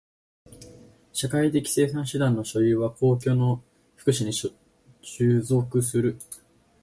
社会的生産手段の所有は公共の福祉に従属する。